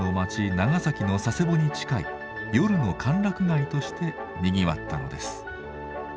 長崎の佐世保に近い夜の歓楽街としてにぎわったのです。